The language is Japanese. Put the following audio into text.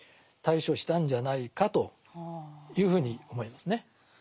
対処したんじゃないかというふうに思いますね。